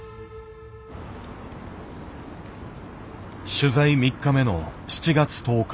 取材３日目の７月１０日。